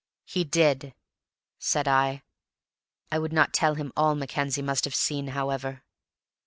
"He did," said I. I would not tell him all Mackenzie must have seen, however.